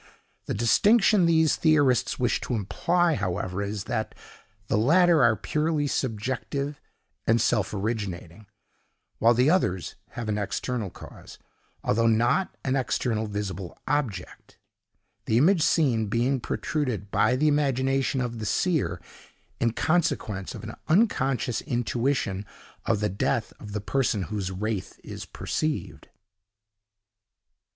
The distinction these theorists wish to imply, however, is that the latter are purely subjective and self originating, while the others have an external cause, although not an external visible object—the image seen being protruded by the imagination of the seer, in consequence of an unconscious intuition of the death of the person whose wraith is perceived.